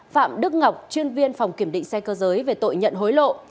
phạm đức ngọc chuyên viên phòng kiểm định xe cơ giới về tội nhận hối lộ